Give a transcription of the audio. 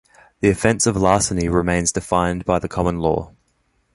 The offence of larceny remains defined by the common law.